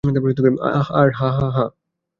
অহ, হ্যাঁ, হ্যাঁ।